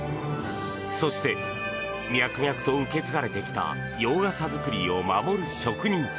そして、脈々と受け継がれてきた洋傘作りを守る職人。